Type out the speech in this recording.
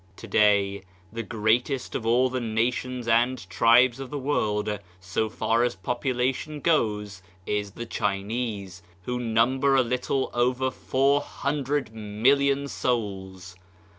Today, the greatest of all the nations and tribes of the world, so far as popula tion goes, is the Chinese, who number a little over 400,000,000 souls.